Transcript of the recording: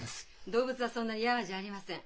動物はそんなにヤワじゃありません。